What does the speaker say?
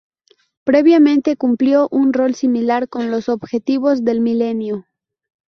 Previamente cumplió un rol similar con los Objetivos del Milenio.